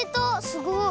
すごい。